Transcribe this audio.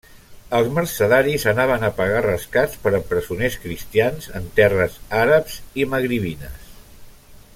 Els mercedaris anaven a pagar rescats per a presoners cristians en terres àrabs i magribines.